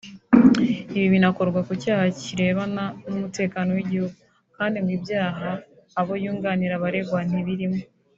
Ibyo binakorwa ku cyaha kirebana n’umutekano w’igihugu kandi ngo ibyaha abo yunganira baregwa ntibirimo